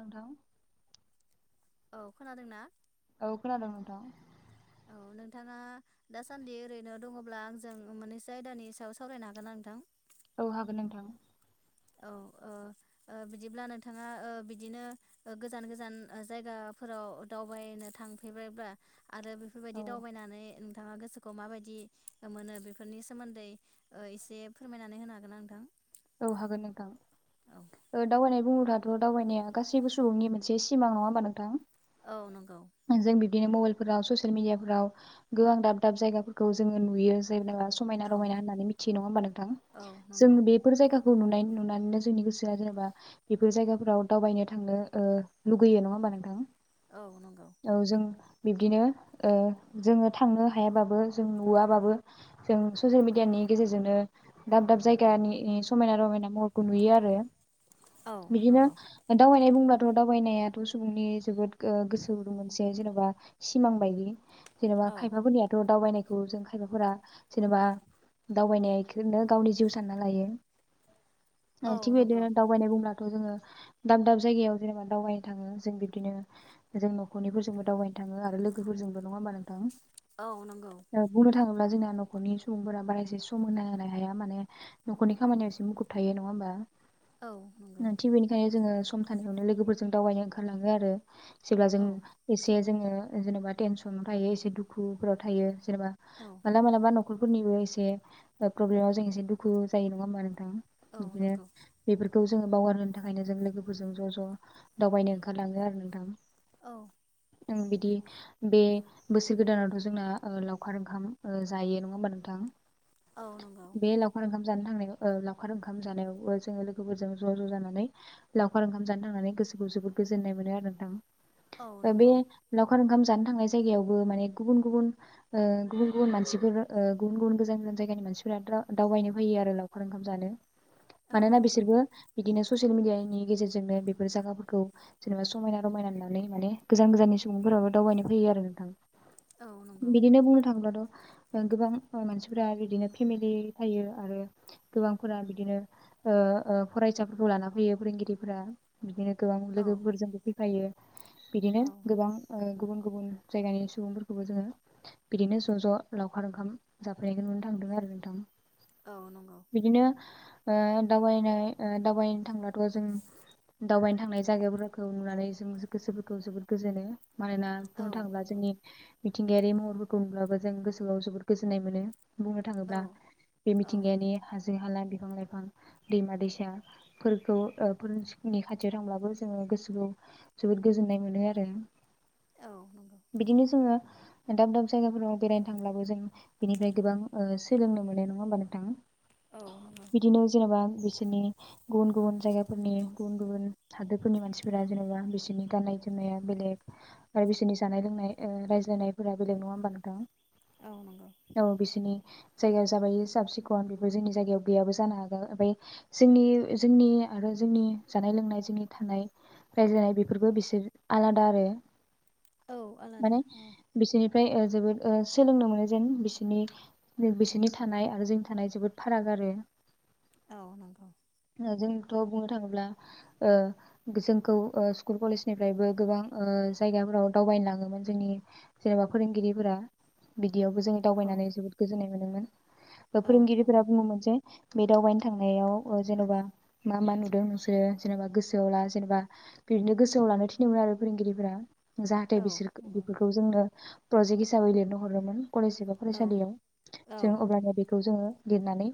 नोंथां। औ खोनादोंना? औ खोनादों नोंथां। औ नोंथाङा दासान्दि ओरैनो दङब्ला आंजों मोननैसो आयदानि सायाव सावरायनो हागोन ना नोंथां? औ हागोन नोंथां। औ ओ ओ बिदिब्ला नोंथाङा ओ बिदिनो ओ गोजान गोजान ओ जायगाफोराव दावबायनो थांफेरबायब्ला आरो औ बेफोरबायदि दावबायनानै नोंथाङा गोसोखौ माबायदि मोनो बेफोरनि सोमोन्दै ओ एसे फोरमायनानै होनो हागोन ना नोंथां? औ हागोन नोंथां। औ ओ दावबायनाय बुङोब्लाथ' दावबायनाया गासैबो सुबुंनि मोनसे सिमां नङा होनोमबा नोंथां? औ नंगौ। बिदिनो मबाइल फोराव ससियेल मिदिया फोराव गोबां दाब दाब जायगाफोरखौ जोङो नुयो जेनेबा समायना औ रमायना होननानै मिथियो नङा होमबा नोंथां औ जों नंगौ बे जायगाखौ नुनाय नुनानैनो जोंनि गोसोआ जेनेबा बेफोर जायगाफोराव दावबायनो थांनो ओ लुगैयो नङा होमबा नोंथां? औ नंगौ औ जों बिब्दिनो ओ जोङो थांनो हायाबाबो जों नुवाबाबो जों ससियेल मिडियानि गेजेरजोंनो दाब दाब जायगानि समायना रमायना महरखौ नुयो आरो औ बिदिनो नंगौ दावबायनाय बुंब्ला ब' दावबायनायाथ' सुबुंनि जोबोद गोसो स मोनसे जेनेबा सिमां बायदि जेनेबा औ खायफाफोरनियाथ' दावबायनाय खौ जों खायफाफोरा जेनेबा दावबायनायखौनो गावनि जिउ सानना लायो ओ औ थिकबाय नंगौ दावबायनाय बुंब्ला थ' जोङो दाब दाब जायगायाव जेनेबा दावबायनो थाङो जों बिदिनो जों न'खरनिफोरजोंबो दावबायनो थाङो आरो लोगोफोरजों नङा होमबा नोंथां औ नंगौ अब्ला जोंना न'खरनि सुबुंफोरा बारा एसे सम होनो हाया माने न'खरनि खामानियाव एसे मुखुब थायो नङा होमबा औ नंगौ थिग बेनिखायनो जोङो सम थानायावनो लोगोफोरजों दावबायनो ओंखारलाङो आरो जेब्ला जों औ एसे जोङो जेनेबा टेनसनाव थायो एसे दुखुफोराव थायो जेनेबा औ मालाबा मालाबा नखरफोरनिबो एसे प्रब्लेमाव जों एसे दुखु जायो नङा होमा नोंथां औ बिदिनो नंगौ बेफोरखौ जोङो बावगार होनो थाखायनो जों लोगोफोरजों ज' ज' दावबायनो ओंखारलाङो आरो नोंथां औ ओं बिदि बे बोसोर गोदानावथ' जोंना लावखार ओंखाम जायो नङा होमबा नोंथां औ नंगौ बे लावखार ओंखाम जानो थांनाखौ ओ लावखार ओंखाम जानायावबो जोङो लोगोफोरजों ज' ज' जानानै लावखार ओंखाम जानो थांनानै गोसोखौ जोबोद गोजोननाय मोनो आरो औ नोंथां बे नंगौ लावखार ओंखाम जानो थांनाय जायगायावबो माने गुबुन गुबुन ओ गुबुन गुबुन मानसिफोर ओ गुबुन गुबुन गोजान गोजान जायगानि मानसिफोरा दावबायनो फैयो आरो लावखार ओंखाम जानो औ मानोना नंगौ बिसोरबो बिदिनो ससियेल मिडियानि गेजेरजोंनो बेफोर जागाफोरखौ जेनेबा समायना रमायना नुनानै माने गोजान गोजाननि सुबुंफोराबो दावबायनो फैयो आरो नोंथां औ नंगौ बिदिनो बुंनो थांङोब्लाथ' ओ गोबां ओ मानसिफोरा बिदिनो फेमिलि फायो आरो गोबांफोरा बिदिनो ओ ओ फरायसाफोरखौ लाना फैयो फोरोंगिरिफोरा बिदिनो गोबां औ लोगोफोरजोंबो फै फायो बिदिनो औ गोबां ओ गुबुन गुबुन जायगानि सुबुंफोरखौबो जोङो बिदिनो ज' ज' लावखार ओंखाम जाफैनायखौ नुनो थांदों आरो नोंथां औ नंगौ बिदिनो ओ दावबायनाय ओ दावबायनो थांब्लाथ' जों दावबायनो थांनाय जायगाफोरखौ नुनानै जों गोसोफोरखौ जोबोद गोजोनो मानोना औ बुंनो थाङोब्ला नंगौ जोंनि मिथिंगायारि महरफोरखौ नुब्लाबो जों गोसोआव जोबोर गोजोननाय मोनो बुंनो औ थाङोब्ला बे औ मिथिंगानि हा हाजो हाला, बिफां लाइफां, दैमा दैसाफोरखौ ओ फोरनि खाथियाव थांब्लाबो जोङो गोसोखौ जोबोद गोजोननाय मोनो आरो। औ नंगौ बिदिनो जोङो दाब दाब जायगाफोराव बेरायनो थांब्लाबो जों बेनिफ्राय गोबां ओ सोलोंनो मोनो नङा होमबा नोंथां? औ नंगौ बिदिनो जेनेबा बिसोरनि गुबुन गुबुन जायगाफोरनि गुबुन गुबुन हादोरफोरनि मानसिफोरा जेनेबा बिसो नि गाननाय जोमनाया बेलेग आरो बिसोरनि जानाय लोंनाय ओ रायज्लायनायफोरा बेलेग नङा होमबा नोंथां? औ नंगौ औ बिसोरनि जायगाया जाबाय साब सिखन बेफोर जोंनि जायगायाव गैयाबो जानो हागौ ओमफ्राय जोंनि जोंनि आरो जोंनि जानाय लोंनाय जोंनि थानाय रायज्लायनाय बे फोरबो बिसोर आलादा आरो। औ आलादा माने औ बिसोरनिफ्राय ओ जोबोद ओ सोलोंनो मोनो जेन बिसोरनि बिसोरनि थानाय आरो जोंनि थानाय जोबोद फाराग आरो औ नंगौ। जोंथ' बुंनो थाङोब्ला ओ जोंखौ ओ स्कुल कलेजनिफ्रायबो गोबां ओ जायगाफोराव दावबायनो लाङोमोन जोंनि जेनेबा फोरोंगिरिफोरा बि दियावबो जों औ दावबायनानै जबोद गोजोननाय मोनोमोन। बा औ फोरोंगिरिफोरा नंगौ बुङोमोन जे बे दावबायनो थांनायाव ओ जेन'बा मा मा नुदों नोंसोरो जेनेबा गोसोआव ला जेनेबा बिदिनो गोसोआव लानो थिनोमोन आरो फोरोंगिरिफोरा जाहाथे औ बिसोरखो नंगौ बेफोरखौ जोंनो प्रजेक्ट हिसाबै लिरनो हरोमोन। कलेज एबा औ फरायसालियाव औ जों अब्लानो बेखौ जोङो लिरनानै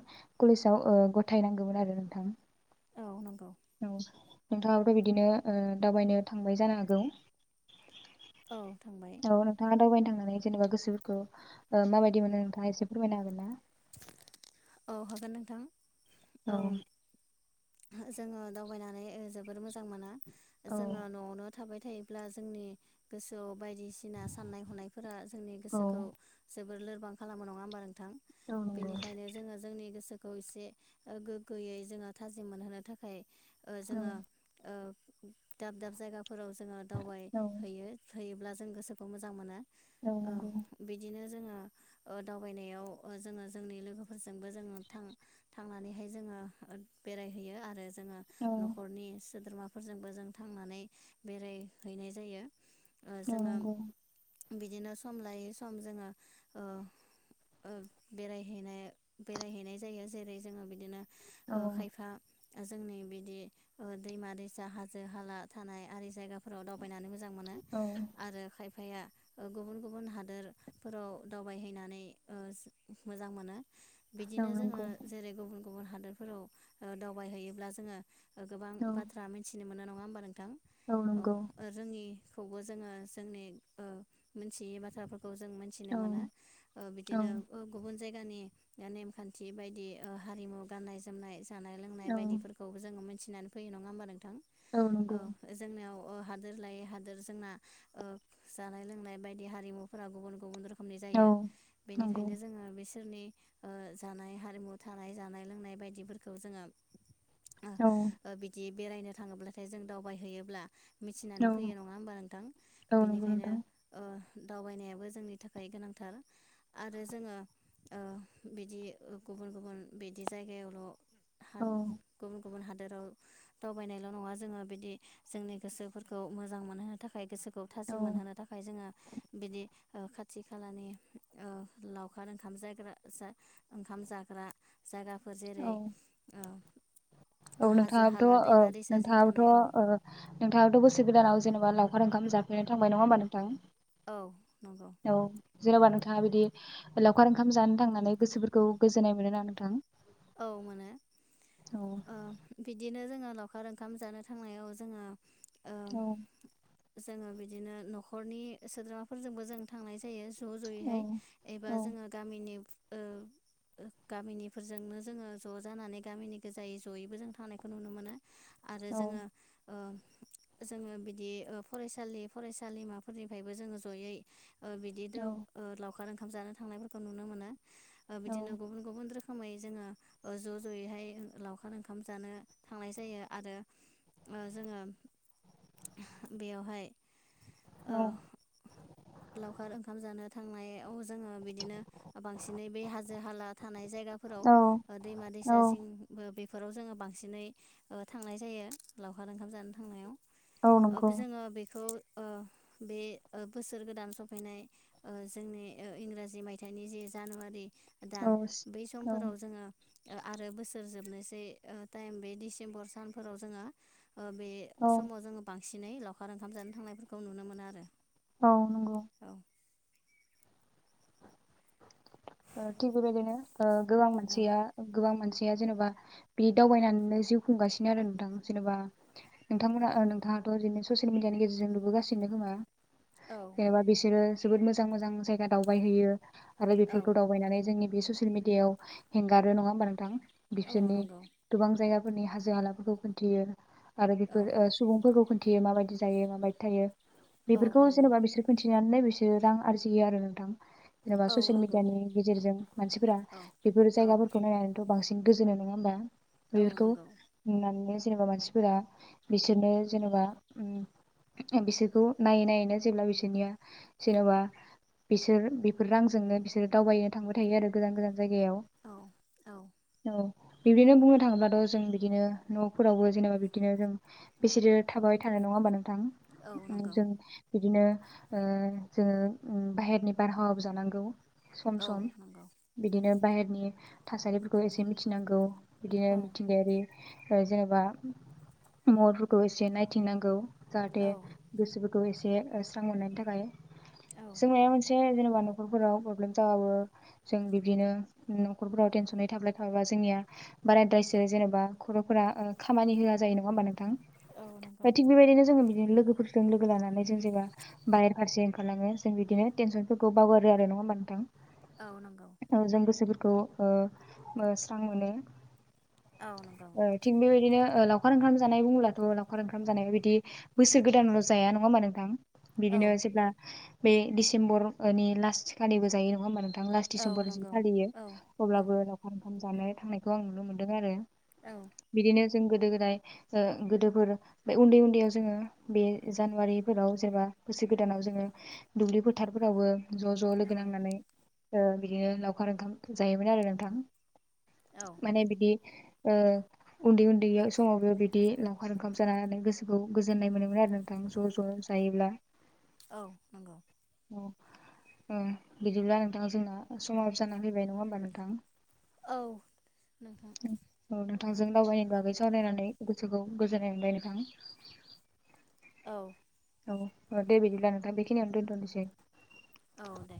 कलेजाव ओ गथायनांगौमोन आरो नोंथां। औ नंगौ औ। नोंथाङाबोथ' बिदिनो ओ दावबायनायाव थांबाय जानो हागौ? औ थांबाय। औ नोंथाङा दावबायनो थांनानै जेनेबा गोसोफोरखौ ओ माबादि मोनो नोंथाङा एसे फोरमायनो हागोन ना? औ हागोन नोंथां। औ। जोङो दावबायनानै ओ जोबोर मोजां मोनो। औ जोङो न'आवनो थाबाय थायोब्ला जोंनि गोसोआव बायदिसिना साननाय हनायफोरा जोंनि गोसोखौ जोबोर लोरबां खालामो नङा होनोमबा नों थां औ नंगौ। बेनिखायनो जोंनि गोसोखौ एसे गोग्गोयै जोङो थाजि मोनहोनो थाखाय अ औ जोङो अ दाब दाब जायगा फोराव जोङो औ दावबायहैयो हैयोब्ला जों गोसोखौ मोजां मोना। अ नंगौ बिदिनो जोङो अ दावबायनायाव अ जोङो जोंनि लोगो फोरजोंबो जों थां थांनानैहाय जोङो अ बेरायहैयो आरो जोङो औ न'खरनि सोद्रोमाफोरजोंबो जों थांनानै बेरायहैनाय जायो। अ औ जोङो नंगौ बिदिनो सम लायै सम जोङो ओ अ बेरायहैनाय बेरायहैनाय जायो जेरै जोङो बिदिनो औ अ खायफा जोंनि बिदि अ दैमा दैसा हाजो हाला थानाय आरि जायगाफोराव दाव बायनानै मोजां मोनो औ आरो खायफा फाया गुबुन गुबुन हादोरफोराव दावबायहैनानै अ मोजां मोनो बिदिनो जोङो नंगौ जेरै गुबुन। गुबुन हादरफोराव ओ दाव दावबायहैयोब्ला जोङो। गोबां औ बाथ्रा मिथिनो मोनो नङाना मबा नों थां औ जोंनि खौबो जोङो जोंनि ओ मिथियै बाथ्रा। खौ जों मोनथिनो औ मोना अ औ बिदिनो अ गुबुन। जायगानि आ नेमखान्थि बायदि हारिमु गाननाय जोमनाय जानाय लोंनाय औ बायदिफोरखौबो जोङो मोन थिनानै फैयो नङा होनबा नोंथां। औ नंगौ थां अ जोंनियाव अ हादोर लायै हादोर जोंना अ जानाय लोंनाय बायदि हारिमुफोरा गुबुन गुबुन रोखोमनि खमनि औ जायो नंगौ बेनिखायनो जोङो एसे। सोरनि आ जानाय हारिमु थानाय जानाय लोंनाय बायदिफोरखौ जोङो। ओ औ ओ बिदि बेरायनो थाङोब्लाथाय जों दावबायहैयोब्ला मिथिनानै फैयो नङा होमबा नोंथां औ नंगौ बेनिखायनो नोंथां ओ दावबायनायाबो जोंनि थाखाय गोनांथार आरो जोङो ओ बिदि गुबुन गुबुन बिदि जायगायावल' हाद औ गम गुबुन हादोराव दावबायनायल' नङा जोङो बिदि जोंनि गोसोफोरखौ मोजां मोनहोनो थाखाय गोसो खौ औ थाजिम मोनहोनो थाखाय जोङो बिदि ओ खाथि खालानि ओ लावखार ओंखाम जायग्रा जा ओंखाम जाग्रा जायगाफोर जेरै औ औ हाजो हाला नोंथाङाबोथ' औ दैमा दैसा जिं नोंथाङाबोथ' थानाय औ ओ नोंथाङाबोथ' बोसोर गोदानाव जेनेबा ला ओंखाम जाफेरनो थांबाय नङाहोमबा नोंथां औ नंगौ जेन'बा नोंथाङा बिदि लावखार ओंखाम जानो थांनानै गोसोफोरखौ गोजोननाय मोनो ना नोंथां औ मोनो औ ओ बिदिनो जोङो लावखार ओंखाम जानो थांनायाव जोङो ओ औ जोङो बिदिनो न'खरनि सोद्रोमाफोरजोंबो जों थांनाय जायो ज' औ ज'यैहाय एबा औ जोङो गामिनि ओ गामिनिफोरजोंनो जोङो ज' जानानै गामिनि गोजायै ज'यैबो जों थानायखौ नुनो मोनो आरो औ जोङो ओ जोङो बिदि फरायसालि फरायसालिमाफोरनिफ्रायबो जोङो जयै ओ बिदिनो औ ओ लाव लावखार ओंखाम जानो थांनायफोरखौ नुनो मोनो ओ बिदिनो गुबुन गुबुन रोखोम रोखोमै जोङो ओ ज' ज'यैहाय लावखार ओंखाम जानो थांनाय जायो आरो ओ जोङो बेयावहाय औ लावखार ओंखाम जानो थांनाय आव ज जोङो बिदिनो बांसिनै बे हाजो हाला थानाय जायगाफोराव औ दैमा औ दैसा जिं बेफोराव जोङो बांसिनै थांनाय जायो लावखार ओंखाम जानो थांनायाव। औ नंगौ जोङो बेखौ ओ बे ओ बोसोर गोदान सफैनाय ओ जोंनि ओ इंराजि मायथाइनि जे जानुवारि औ दान बै औ समफोराव जोङो ओ आरो बोसोर जोबनोसै ओ टाइम बे डिसेम्बर समफोराव जोङो ओ बे औ समाव जोङो बां बांसिनै लावखार ओंखाम जानो थांनायफोरखौ नुनो मोनो आरो। औ नंगौ औ थिग बेबादिनो ओ गोबां औ मोनसिया गोबां मान मानसिया जेनेबा बे दावबायनानैनो जिउ खुंगासिनो आरो नोंथां जेनेबा नोंथांमोना ओ नोंथाङाथ' बिदिनो ससियेल मिडियानि गेजेरजों नुबोगासिनो खोमा एबा बिसोरो जोबोद मोजां मोजां जायगा दावबायहैयो। आरो बेफोर औ दावबायनानै जोंनि बे ससियेल मिडियायाव हेंगारो नङा होमबा नोंथां औ बिसोरनि नंगौ गोबां जायगा फोरनि हाजो हालाफोरखौ खोन्थियो। आरो औ बेफोर ओ सुबुंफोरखौ थियो माबायदि जायो माबायदि थायो। औ बेफोरखौ नंगौ जेनेबा बिसोर खोन्थि खोन्थिनानैनो बिसोर रां आरजियो आरो नोंथां। जेनेबा औ ससियेल मे नंगौ जायनि गेजेरजों मानसिफोरा औ बेफोर औ जायगाफोरखौ नायनानैथ बांसिन गोजोनो नङा होमबा औ बेखौ नंगौ नुनानैनो जेनेबा मानसिफोरा बिसोरनो जेनेबा बिसोरखौ नायै नायैनो जेब्ला बिसोरनिया जेनेबा बिसोर बेफोर रांजोंनो दिनो दावबायनो थांबाय थायो आरो गोजान गोजान। जायगायाव औ औ औ बिब्दिनो बुंनो थाङोब्लाथ' जों बिदिनो न'फोरावबो जेनेबा बिब्दिनो जों बेसेथो थाबाय थानाय नङा होमबा नों थां औ ओम नंगौ जों बिदिनो ओ जोङो ओम बाहेरनि बारहावाबो जानांगौ। सम औ सम नंगौ बिदिनो बाहेरनि थासारिफोरखौ एसे मिथिनांगौ बिदिनो औ मिथिंगायारि जेनेबा महरफोरखौ एसे नायथिंनांगौ। जाहाथे औ बिस खौ एसे स्रां मोननायनि थाखाय। औ जों मायबा मोनसे जेनेबा न'खरफोराव प्रब्लेम जाबाबो जों बिबदिनो न'खरफोराव टेनसनै थाबलाय थाबाबा जोंनिया बाराद्रायसो जेनेबा खर'फोरा ओ खामानि होआ जायो नङा होमबा नों थां औ नंगौ थिग बेबायदिनो जों बिदिनो लोगोफोरजों लोगो लानानै जों जेबा बायेर फारसे ओंखारलाङो जों बिदिनो टेनसनफोरखौ बावगारो आरो नङा होमबा? नोंथां ‌। औ नंगौ। खौ ओ ओ स्रां मोनो। औ नंगौ औ थिग बेबायदिनो। ओ लावखार ओंखाम जानाय बुङोब्लाथ' लावखार ओंखाम जानाया बिदि बोसोर गोदानल' जाया नङा होमबा नोंथां? औ बिदिनो जेब्ला बे डिसेम्बर नि लास खालिबो जायो नंङा होमबा नों थां लास्ट औ दिसेम्बर सिम नंगौ फालियो औ औ अब्लाबो जानो थांनायखौ आं नुनो मोन्दों आरो। औ बिदिनो जों गोदो गोदाय ओ गोदोफोर बे उन्दै उन्दैयाव जोङो बे जानुवारिफोराव जेनबा बोसोर गोदानाव जोङो दुब्लि फोथारफोरावबो ज' ज' लोगो औ लोगोनांनानै ओ बिदिनो लावखार ओंखाम जायोमोन आरो नोंथां। औ माने बिदि ओ उन्दै उन्दै समावबो बिदि लावखार ओंखाम जानानै गोसोखौ गोजोननाय मोनोमोन आरो नोंथां ज' ज' जायोब्ला। औ नंगौ। [inaudible] उम बिदिब्ला नोंथां जोंना समाव जानानानै फैबाय नङा होमबा नोंथां। औ औ नोंथांजों दावबायनाय बागै सावरायनानै गोसोखौ गोजोननाय मोनबाय नोंथां। औ औ औ दे बिदिब्ला नोंथां बेखिनियावनो दोनथ'नोसै। औ दे।